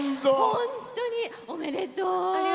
本当におめでとう。